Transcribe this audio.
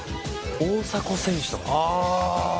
大迫選手とか？